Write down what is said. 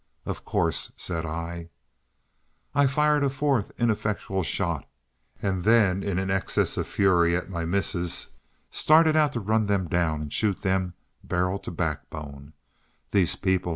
"Of course!" said I. I fired a fourth ineffectual shot, and then in an access of fury at my misses, started out to run them down and shoot them barrel to backbone. "These people!"